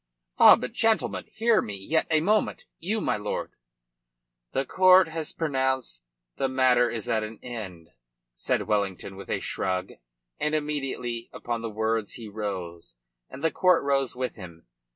"Ah, but, gentlemen, hear me yet a moment. You, my lord " "The court has pronounced. The matter is at an end," said Wellington, with a shrug, and immediately upon the words he rose, and the court rose with him.